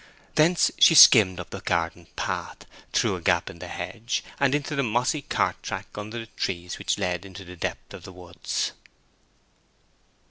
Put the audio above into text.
Thence she skimmed up the garden path, through the gap in the hedge, and into the mossy cart track under the trees which led into the depth of the woods.